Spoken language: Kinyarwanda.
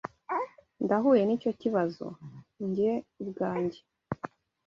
Ndahuye nicyo kibazo, njye ubwanjye.